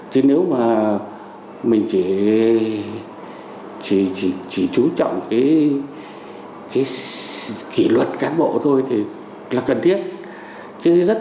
chứ nếu mà mình chỉ chú trọng kỷ luật cán bộ thôi là cần thiết